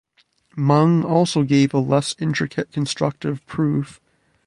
Meng also gave a less intricate constructive proof.